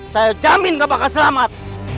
saya jamin gak bakal selamat